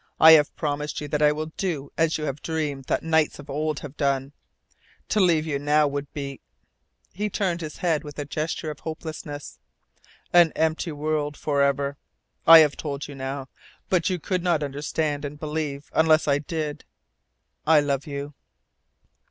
I have promised you that I will do as you have dreamed that knights of old have done. To leave you now would be" he turned his head with a gesture of hopelessness "an empty world forever. I have told you now. But you could not understand and believe unless I did. I love you."